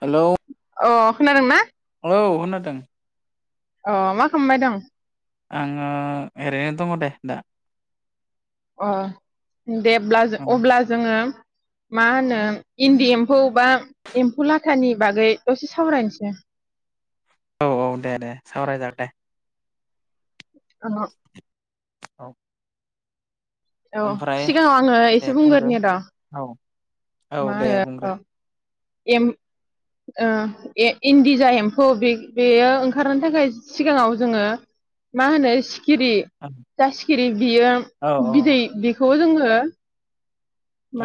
हेल' अ खोनादोंना औ खोनादों अ मा खालामबाय दं आङो ओरैनो दङ दे दा अ देब्ला औ अब्ला जोङो मा होनो इनदि एम्फौ बा एम्फौ लाथा [unintelligible] नि बागै दसे सावरायनोसै औ औ दे दे सावराय जागोन दे ओ औ औ ओमफ्राय सिगाङाव आङो दे एसे बुंदो बुंग्रोनि र' औ मा औ दे होनो औ बुंग्रो एम ओ एन इन्दिजा एम्फौ बे बेयो ओंखारनो थाखाय सिगाङाव जोङो मा होनो सि सिखिरि औ दा सिखिरि बियो औ बिदै बे थ जोङो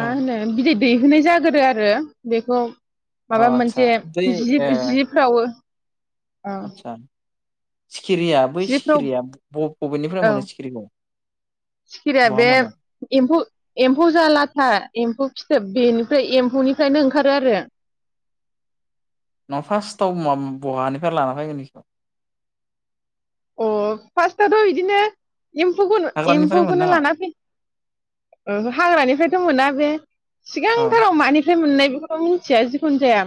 औ अ होनो बिदै दैहोनाय जाग्रोयो आरो बेखौ माबा आदसा मोनसे बै जि ए जिफ्रावो ओ आदसा सिखिरिया बै जिफ्राव सिखिरिया बबेनिफ्राय औ मोनो सिखिरिखौ सिखिरिया बहा बे मोनो एम्फौ एम्फौ जा लाथा एम्फौ फिथोब बेनिफ्राय एम्फौनिफ्रायनो ओंखारो आरो मा फार्स्टाव महा बहानिफ्राय लाना फैगोन बेखौ अ फास्टाथ' बिदिनो एम्फौखौनो हाग्रानिफ्राय मोनो एम्फौखौनो नामा लाना फै ओ हाग्रानिफ्रायथ' मोना बे औ सिगांथाराव मानिफ्राय मोननाय? बेखौथ' मिथिया जिखुनु जाया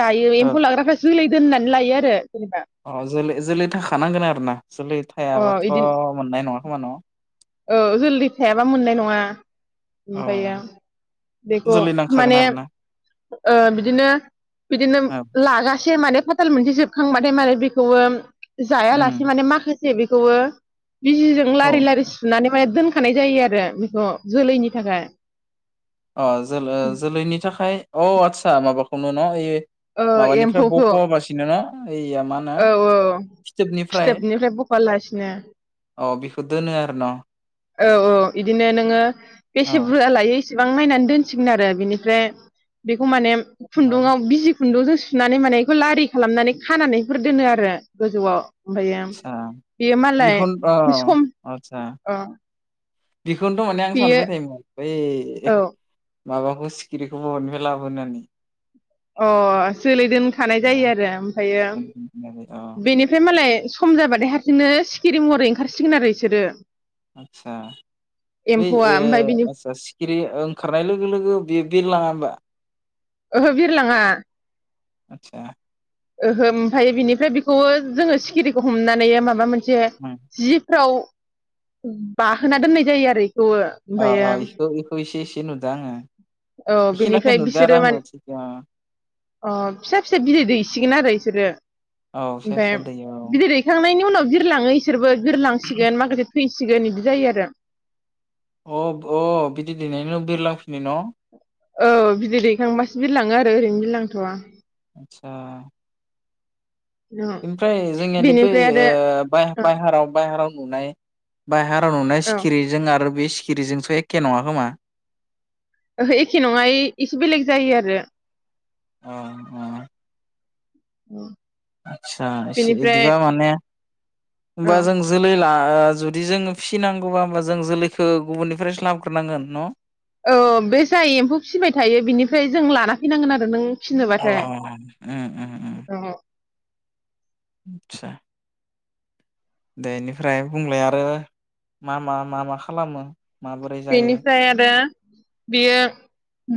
दायो औ एम्फौ लाग्राखासो होलाय दोननानै लायो आरो जेनेबा अ जोलै जोलै थाखानांगोन आरो ना जोलै अ थायाबाथ' इदिन मोननाय नङा। होवा न'? औ जोलदि थायाबा मोननाय नङा। औ ओमफायो बेखौ जोलै नांखागोन माने आरो ना ओ बिदिनो बिदिनो औ लागासे माने फाथाल मोनसे जोबखांबाथाय माने बेखौबो। उम जायालासे माने माखासे जे बेखौबो बिजिजों औ लारि लारि सु नानै दोनखानाय जायो आरो बेखौ जोलैनि थाखाय। अ जोलै जोलैनि थाखाय औ आतसा माबाखौनो न' ओइयो औ माबानिफ्राय एम्फौखौ बख'वाबासिनो ना? इया मा होनो औ औ फिथोबनिफ्राय औ बेखौ दोनो आरो न'? औ औ इदिनो नोङो बेसे बुरजा लायो बेसेबां नायनानै दोनसिगोन आरो बिनिफ्राय बेखौ माने अ खुन्दुङाआव बिजि खुन्दुंजों सुनानै माने इखौ लारि खालामनानै खानानैफोर दोनो आरो गोजौआव। ओमफ्रायो आदसा बेयो मालाय बिखौन अ सम औ। बिखनोथ' माने आं सानबाय थायोमोन ओइ औ माबाखौ सिखिरिखौ बहानिफ्राय लाबो होननानै? अ जोलै दोनखानाय जायो आरो ओमफ्रायो अ बेनिफ्राय मालाय खम जाबाथाय हारसिंनो सिखिरि महरै ओंखारसिगोन आरो इसोरो। आतसा बै एम्फौआ ओ ओमफ्राय बिनि आतसा सिखिरि ओंखारनाय लोगो लोगो बेयो बेरलाङा होमबा? ओहो बिरलाङा। आतसा ओहो ओमफाय बिनिफ्राय बेखौबो जोङो सिखिरिखौ हमनानै माबा मोनसे से जिफ्राव बाहोना दोननाय जायो आरो औ ओमफायो नुदो आङो औ बेखिनिखौ बेनिफ्राय नुदों आरो बिसोरो आंबो माने सिगां औ फिसा फिसा बिदै दैसिगोन आरो इसोरो औ फिसा ओमफ्राय फिसा दैयाव बिदै दैखांनायनि उनाव बिर लाङो इसोरबो बिरलांसिगोन माखासे थै सिगोन इदि जायो आरो अ अ बिदि दैनायनि उनाव बिरलांफिनो न' औ बिदै दैखांबासो बिरलाङो आरो ओरैनो बिरलांथ'वा आतसा औ ओमफ्राय जोंनियादि बै बेनिफ्राय आरो ओ औ बाय-बायहाराव बायहाराव नुनाय बायहा नुनाय औ सिखिरिजों आरो बे सिखिरिजोंथ' एखे नङा खोमा ओहो एखे नङा ओइ एसे बेलेग जायो आरो अ अ औ आतसा ए एदिबा माने औ ओमबा जों जोलै लानानै ओ जुदि जोंङो फिसिनांगौबा होमबा जों जोलैखौ गुबुननिफ्रायसो लाबग्रोनांगोन न औ बे जाय एम्फौ फिबाय थायो बिनिफ्राय जों लाना फैनांगोन आरो नों अ फिसिनोबाथाय उम उम औ आतसा बेनिफ्राय बुंलाय आरो मा मा मा मा खालामो माबोरै जायो बेनिफ्राय आरो बियो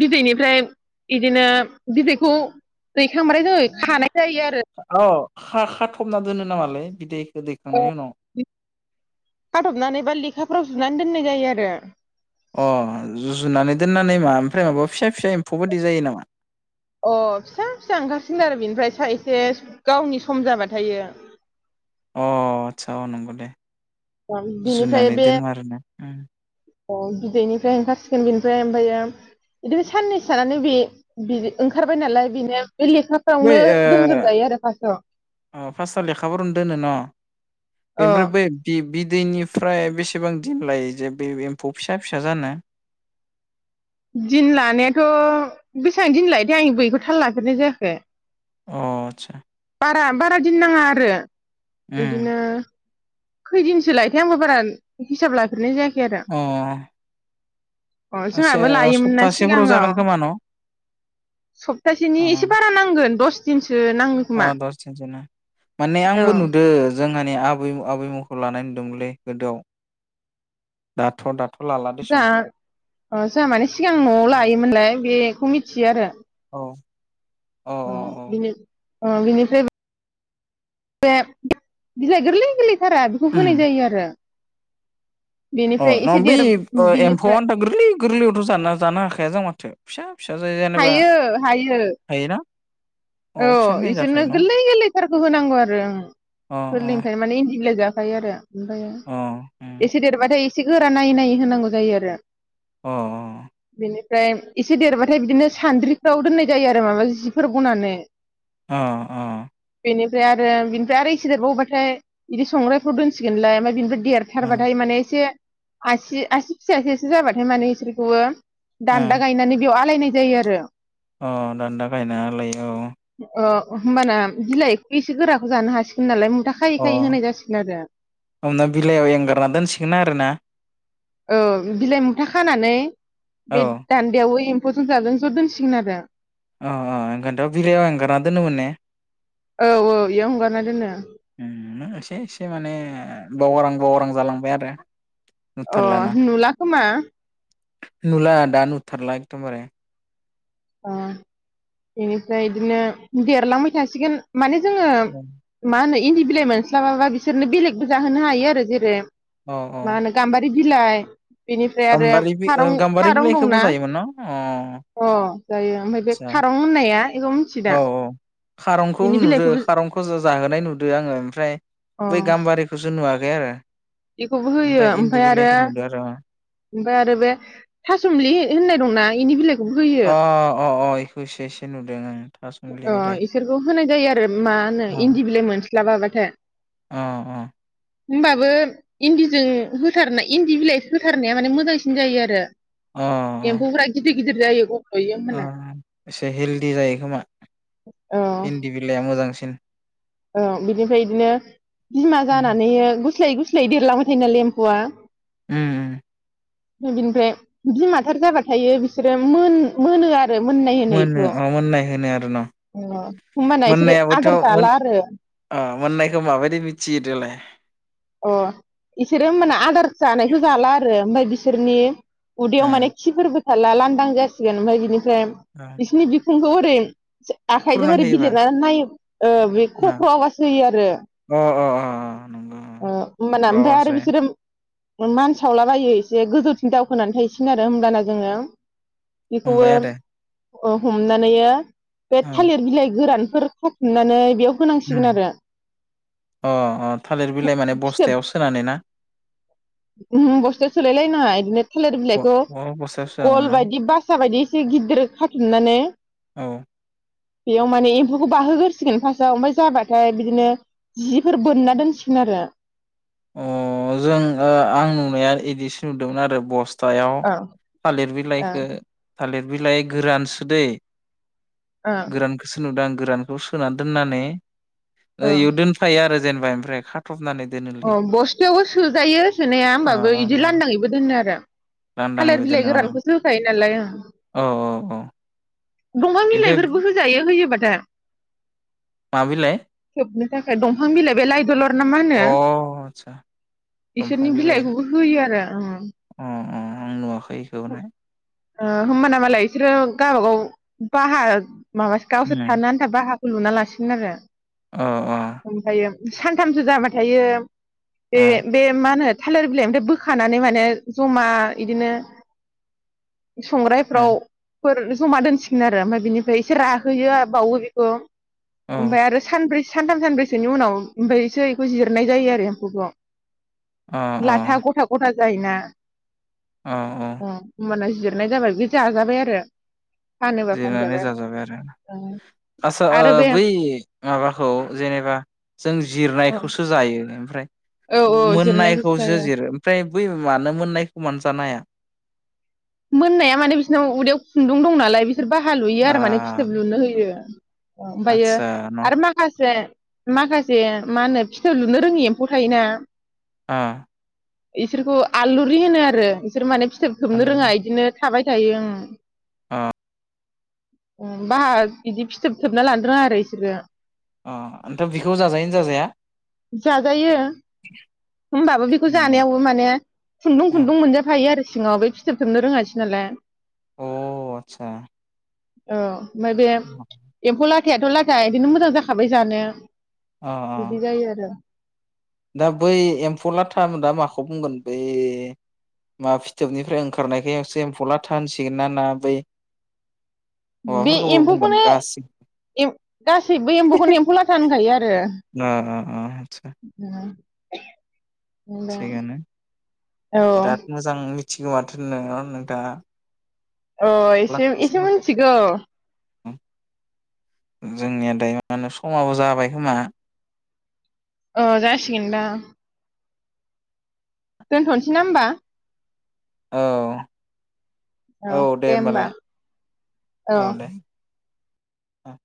बिदैनिफ्राय इदिनो बिदैखौ दैखांब्राय खानाय जायो आरो औ खा खाथबना दोनो नामालै बिदै बे औ दैखांनायनि उनाव खाथबनानै बा लेखाफ्राव जुनानै दोननाय जायो आरो अ जु-जुनानै दोननानै मा ओमफ्राय माबा फिसा फिसा एम्फौ बायदि जायो नामा अ फिसा फिसा ओंखारसिनगोन आरो बिनिफ्राय सा एसे गावनि सम जाबाथाय इयो अ आतसा अ नंगौ दे बिनिफ्राय जुनानै दोनो आरो ना उम औ बिदैनिफ्राय ओंखारसिगोन बिनिफ्राय ओमफ्रायो बिदिनो साननै थानानै बे-बे ओंखारबाय नालाय बिनो बै ओ फार्स्टआव ओ फासटाव लेखा फोरावनो दोनो न अ बेनिफ्राय बै बि-बि दैनिफ्राय बेसेबां दिन लायो जे बे एम्फौ फिसा फिसा जानो दिन लानायाथ' बेसां दिन लायोथाय आं इखौ थाल लाफेरनाय जायाखै अ आदसा बारा बारा दिन नाङा आरो उम बिदिनो खैदिनसो लायोथाय आंबो बारा हिसाब लाफेरनाय जायाखै आर अ से जोंहाबो लायोमोन ना सप्तासेफोराव जागोन सिगाङाव खोमा न? सप्तासेनि अ एसे बारा नांगोन दस दिनसो नांगौ अ खोमा दस दिनसो माने औ आंबो नुदो जोंहानि आबै आबैमुखौ लानाय नुदोमोनलै गोदोआव दाथ' दा जा ओ जाहा माने सिगां न'आव औ लायोमोनलाय बे बेखौ मिथियो आरो औ अ बिनो अ बिनिफ्राय बे बे बिलाइ गोरलै गोरलै सारा बेखौ होनाय जायो आरो अ बेनिफ्राय नङा एसे ओ बै देर बिनिफ्राय एम्फौआनोथ' गोरलै गोरलैयावथ' जान जानो हाखाया जां माथो फिसा फिसा जाय जेनेबा हायो हायो हायोना औ अ फिसानिफ्रायनो इसोरनो जाखायो न' गोरलै गोरलैथारखौ होनांगौ आरो ओं अ गौरलैनिफ्रायनो माने इन्दि बिलाइ जा खायो आरो ओमफाय अ एसे देरबाथाय ए से गोरा नायै नायै होनांगौ जायो आरो अ बेनिफ्राय एसे देरबाथाय बिदिनो सान्द्रिफ्राव दोननाय जायो आरो माबा जिफोर बनानै [inaudible] अ‌ अ बेनिफ्राय आरो बिनिफ्राय आरो इसे देरबावबाथाय बिदि संगायफ्राव दोनसिगोनलाय ओमफ्राय बिनिफाय अ देरथारबाथाय माने एसे आसि आसि फिसासेसो जाबाथाय माने बिसोरखौबो दान्दा अ गायनानै बेयाव आ लायनाय जायो आरो अ दान्दा गायनायालाय औ अ होमबाना बिलाइखौ एसे गोराखौ जानो हासिगोन नालाय उम अ हमना बिलाइयाव एंगारना दोनसिगोन आरोना औ बिलाइ मुथा खानानै औ बे दान्दायाव एम गथन जाजों ज' दोनसिगोन आरो अ अ ओंखायनथ' बिलाइयाव एंगारना दोनोमोन ने औ औ बेयाव हंगारना दोनो एसे एसे माने बावगारां बावगारां जालांबाय आरो अ नुथारलाना नुला खोमा नुला दा नुथारला एगदम बारे ओ बेनिफ्राय बिदिनो देरलांबाय थासिगोन माने जोङो औ मा होनो इन्दि बिलाइ मोनस्लाबाबा बिसोरनो बेलेगबो जाहोनो हायो आरो जेरै औ औ मा होनो गामबारि बिलाय बेनिफ्राय आरो गाम्बारि बि ओ खारं गाम्बारि खारं बिलाइखौबो दंना जायोमोन न अ आदसा अ जायो ओमफ्राय बे खारं होननाया औ औ [unintelligible] खारंखौ बेनि नुदो बिलाइखौबो खारंखौ ज जाहोनाय नुदों आङो ओमफ्राय अ बै गाम्बारिखौसो नुवाखै दे आरो बेखौबो होयो ओमफ्राय इन्दि ओमफाय आरो बिलाइखौ नुदो आरो ओमफाय आरो बे थासुमलि होननाय दंना इनि बिलाइ अ अ अ खौसो एसे नुदों आङो अ इसोरखौ होनाय जायो आरो मा होनो औ इन्दि बिलाइ मोनस्लाबाबा [inaudible] अ अ होमबाबो इन्दिजों होथारना इन्दि बिलाइ होथारनाया माने मोजांसिन जायो आरो एमफौफ्रा गिदि गदिर जायो गब्ल'यो ओ होमबाना एसे हेलदि जायो खोमा औ इन्दि बिलाइआबो मोजांसिन औ बिदिफ्राय इदिनो बिमा उम जानानैयो गुस्लायै गुस्लायै देरलांबाय थायो नालै एम फुआ उम उम फ्राय बिनिफ्राय बिमाथार जाबा थायो बिसोरो मोन मोनो आर रो मोननाय होनो मोनो इखौ अ मोननाय होनो आरो न अ होमबाना इसोरो मोननायाबोथ' आदार मोन जाला आरो अ मोननायखौ माबायदि मिथियो देलाय अ इसोरो होमबाना आदार जानायखौ जाला आरो ओमफाय बिसोरनि उदैयाव ओ माने खिफोरबो थाला लानदां जासिगोन ओमफाय बिनि गोन ओ बिसिनि बि [unintelligible] जा आखाइजों फुरना ओरै होयोबा बिलिरना नायो ओ बे ख्र ख्र आवास होयो आरो ओ अ अ नंगौ अ ओमबाना ओमफाय आरो रजे बिसोरो इ मान सावलाबायो एसे गोजौथिं दावखोनानै थाहैसिगोन आरो होमब्लाना जोङो बेखौबो हमबाय आरो अ हमनानैओ बे औ थालिर बिलाइ गोरान फोर खाथुमनानै बेयाव होनांसिगोन उम आरो अ अ थालिर बिलाइ माने फिथोब बस्थायाव सोनानै ना ओ बस्थायाव सोलाय लायनाङा इदिनो थालिर अ बिलाइखौ अ बस्थायाव सोआमोन गल न बायदि बासा बायदि एसे गिदिर खाथुमनानै औ बेयाव माने एम्फौखौ बाहोगोरसिगोन फार्स्टआव ओमफ्राय जाबाथाय बिदिनो जिफोर बोनना दोनसि गोन‌ आरो अ जों ओ आं नुनाया इदिसो नुदोंमोन आरो बस्त थायाव ओ थालिर ओ बिलाइखो थालिर बिलाइ गोरानसो दै ओ गोरानखोसो नुदान गोरानखौ सोना दोननानै ओ ओइ उ दोनफायो आरो जेनबा ओनफ्राय खाथु थबनानै अ दोनोलै बस्थायावबो सोजायो सोनाया ओ होमबाबो इदि ओ लान्दाङैबो दोनो आरो। थालिर लांदाङैबो बिलाइ दोनो अ गोरानखौसो होखायो नालाय ओं औ औ औ दंफां ओमफ्राय बिलाइफोरबो होजायो होयोबा [unintelligible] मा बिलाइ थाखाय दंफां बिलाइ बे लाइ दलद ना नामा होनो अ आदसा बिसोरनि दंफां बिलाइ बिलाइखौबो होयो आरो उम अ अ आं नुवाखै इखौहाय ओ होमबाना मालाय इसोरो गावबा गाव बाहार माबासो गावसो उम थानो आनथा बाहा लुना लासिगोन आरो अ औ ओमफ्रायो सानथामसो जाबा थायो बे अ बे मा होनो थालिर बिलाइ ओमफ्राय बोखानानै माने जमा इदिनो अ संग्रायफ्राव फोर जमा दोनसिगोन आरो ओमफ्राय बिनिफ्राय एसे राहोयो बावो बेखौ औ ओमफ्राय आरो सानब्रै सानथाम सानब्रैसोनि उनाव ओमफायसो इखो जिरनाय जायो आरो एम्फौखौ अ लाथा ग'था ग'था जायोना औ औ अ ओमबाना जिरनाय जाबाय बे जाजाबाय आरो फानोबा जिरनानै फानजाबाय जाजाबाय आरो आचसा ओ आरो बे बै माबाखौ जेनेबा जों औ जिरनायखौसो जायो ओमफ्राय औ जिरनायखौसो मोननायखौसो जायो जिरो ओमफ्राय बै मानो मोननायखौ मानो जानो हाया मोननाया माने बिसोरनाव उदैयाव खुन्दुं दं नालाय बि सोर बाहा लुयो आ आरो माने फिथोब लुनो होयो ओमफ्रायो आदसा न' आरो माखासे माखासे मा होनो फिथोब लुनो रोङि एम्फौ थायोना ओ इसोरखौ आलुरि होनो आरो इसोर माने फिथोब थोबनो रोङा बिदिनो थाबाय थायो ओं। अ बाहा बिदि फिथोब थोबना लानो रोङा आरो इसोरो अ आमथ बेखौ जाजायैनो जाजाया जाजायो। होमबाबो बेखौ उम जानायावबो माने खुन्दुं उम खुन्दुं मोनजाफायो आरो। सिङाव बे फिथोब थोबनो रोङासै नालाय अ आतसा अ ओफ्राय बे एम्फौ ला थायाथ' लादा इदिनो मोजां जाखाबाय जानो अ बिदि जायो आरो। दा बै एम्फौ लाथा मोन दा माखौ बुंगोन बै मा फिथोबनिफ्राय ओंखारनायखाय एससे एम्फौ लाथा होनसिगोन ना ना बै। बे माबाफोरखौबो बुंगोन एम्फौखौनो गासिबो गासैबो एम्फौखौनो एम्फौ लाथा होनखायो आरो। ओ ओ ओ आदसा थिगानो औ बिराद मोजां मि थिगो माथो नोङो नोंथाङा अ एसे एसे मिथिगौ। उम जोंनिया दायो मा होनो समाबो जाबाय खोमा अ जासिगोन दा दोनथ'नोसै ना होमबा? औ ओ औ दे होमबा होमबालाय औ। उम